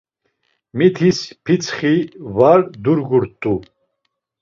Mitis pitsxi var durgut̆u.